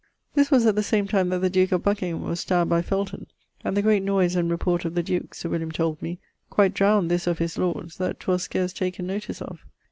This was at the same time that the duke of Buckingham was stabbed by Felton, and the great noise and report of the duke's, Sir William told me, quite drowned this of his lord's, that 'twas scarce taken notice of.